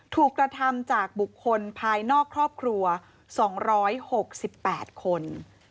ถูกกระทำจากบุคคลภายนอกครอบครัว๒๖๘คน